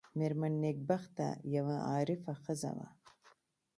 مېرمن نېکبخته یوه عارفه ښځه وه.